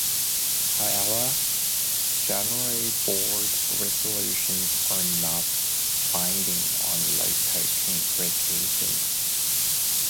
However, General Board resolutions are not binding on local congregations.